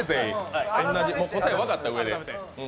答え、分かったうえで。